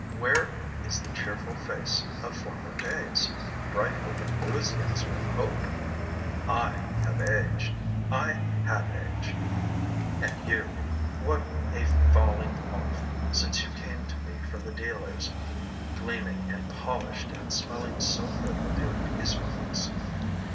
Where is the cheerful face of former days, bright with enthusiasm and hope? I have aged, I have aged. And you, what a falling off, since you came to me from the dealer's, gleaming and polished and smelling so good with your beeswax!